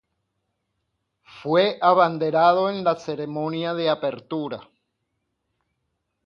Fue abanderado en la ceremonia de apertura.